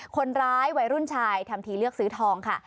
คนร้ายวัยรุ่นชายทำทีเลือกซื้อทองค่ะ